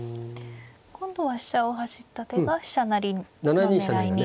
今度は飛車を走った手が飛車成りの狙いに。